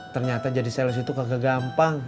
ternyata jadi sales itu kagak gampang